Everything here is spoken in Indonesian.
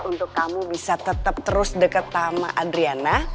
untuk kamu bisa tetap terus deket sama adriana